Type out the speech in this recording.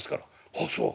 「あっそう。